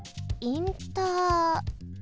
インター